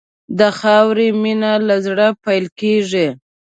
د خاورې مینه له زړه پیل کېږي.